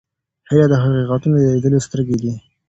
هیله د حقیقتونو د لیدلو سترګې دي.